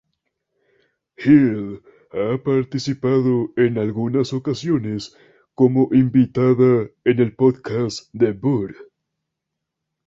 Hill ha participado en algunas ocasiones como invitada en el podcast de Burr.